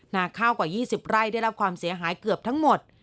นาข้าวกว่า๒๐ไร่ได้รับความเสียหายเกือบทั้งหมด